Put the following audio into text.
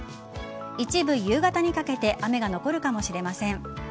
一部、夕方にかけて雨が残るかもしれません。